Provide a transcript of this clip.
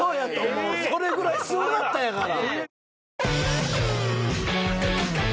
それぐらいすごかったんやから。